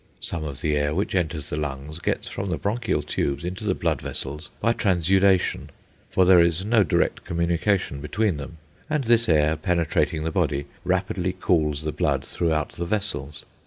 Some of the air which enters the lung gets from the bronchial tubes into the blood vessels by transudation, for there is no direct communication between them; and this air, penetrating the body, rapidly cools the blood throughout the vessels.